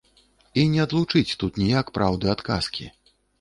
І не адлучыць тут ніяк праўды ад казкі.